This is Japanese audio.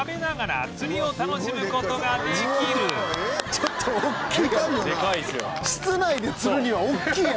ちょっと大きい。